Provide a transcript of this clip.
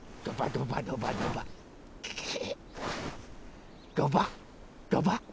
ドバドバドバドバ。